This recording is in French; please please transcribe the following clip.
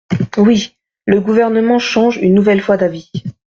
Oui ! Le Gouvernement change une nouvelle fois d’avis.